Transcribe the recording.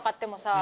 ・あ。